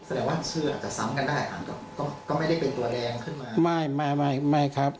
แสดงว่าชื่ออาจจะซ้ำกันได้ก็ไม่ได้เป็นตัวแดงขึ้นมา